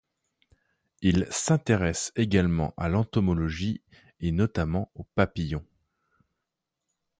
Il s’intéresse également à l’entomologie et notamment aux papillons.